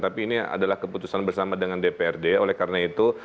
tapi ini adalah keputusan bersama dengan dprd oleh karena itu